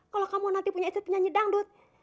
kalau kamu nanti punya itu penyanyi dangdut